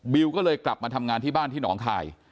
ก็เลยกลับมาทำงานที่บ้านที่หนองคาย